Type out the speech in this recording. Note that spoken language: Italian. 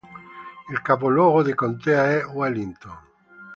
Il capoluogo di contea è Wellington.